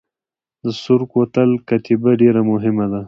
د سور کوتل کتیبه ډیره مهمه ده